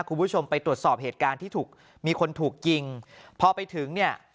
คุณผู้ชมไปตรวจสอบเหตุการณ์ที่ถูกมีคนถูกยิงพอไปถึงเนี่ย